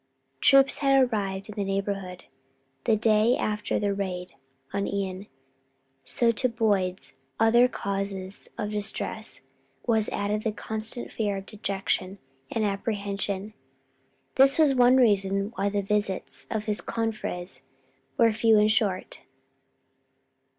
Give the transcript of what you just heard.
Troops had arrived in the neighborhood the day after the raid on Ion; so to Boyd's other causes of distress was added the constant fear of detection and apprehension. This was one reason why the visits of his confreres were few and short.